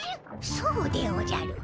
そうでおじゃる。